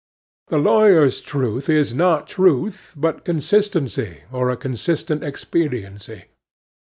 The lawyer's truth is not Truth, but consistency or a consistent expediency.